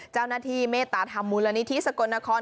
เจ้าหน้าที่เมตตาธรรมมูลนิธิสกลนคร